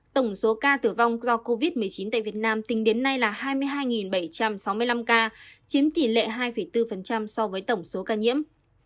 tổng số ca tử vong do covid một mươi chín tại việt nam tính đến nay là hai mươi hai bảy trăm sáu mươi năm ca chiếm tỷ lệ hai bốn so với tổng số ca nhiễm